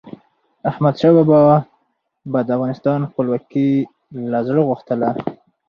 احمدشاه بابا به د افغانستان خپلواکي له زړه غوښتله.